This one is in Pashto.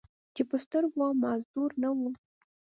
چې پۀ سترګو معذور نۀ وو،